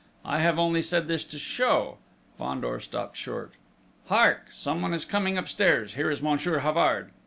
I have only said this to show ..." Fandor stopped short. "Hark!... Someone is coming upstairs! Here is Monsieur Havard!"